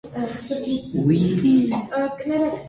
Ողջ եղեք տիրոջով»»։